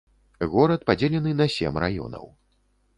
Горад падзелены на сем раёнаў.